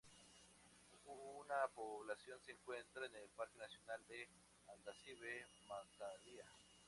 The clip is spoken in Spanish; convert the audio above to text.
Una población se encuentra en el Parque Nacional de Andasibe-Mantadia.